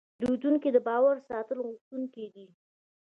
پیرودونکی د باور ساتلو غوښتونکی دی.